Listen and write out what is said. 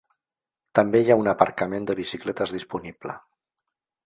També hi ha un aparcament de bicicletes disponible.